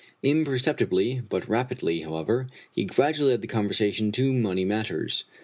Imperceptibly but rapidly, however, he gradually led the conversation to money matters.